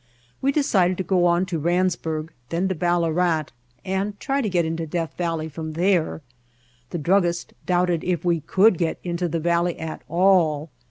We decided to go to Randsburg, then to Ballarat and try to get into Death Valley from there. The drug gist doubted if we could get into the valley at all.